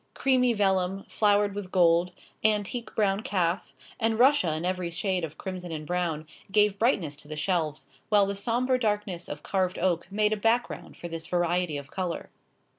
Creamy vellum, flowered with gold, antique brown calf, and russia in every shade of crimson and brown, gave brightness to the shelves, while the sombre darkness of carved oak made a background for this variety of colour.